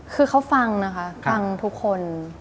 คือเขาฟังนะคะฟังทุกคน